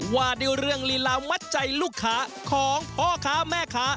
ว่าด้วยเรื่องลีลามัดใจลูกค้าของพ่อค้าแม่ค้า